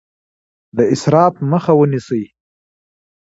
د اسراف مخه ونیسئ.